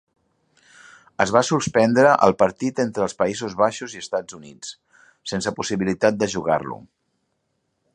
Es va suspendre el partit entre els Països Baixos i Estats Units sense possibilitat de jugar-lo.